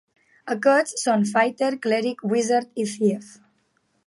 Aquests són Fighter, Cleric, Wizard i Thief.